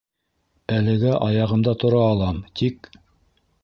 Әлегә аяғымда тора алам, тик...